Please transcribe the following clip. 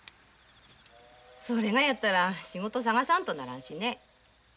そいがやったら仕事探さんとならんしね。